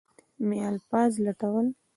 مې الفاظ لټول.